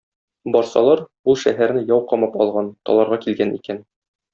Барсалар, ул шәһәрне яу камап алган, таларга килгән икән.